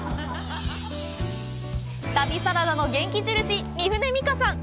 旅サラダの元気印、三船美佳さん。